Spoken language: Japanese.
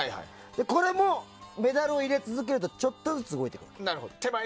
これもメダルを入れ続けるとちょっとずつ動いてくるの。